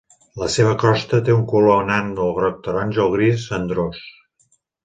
La seva crosta té un color anant del groc taronja al gris cendrós.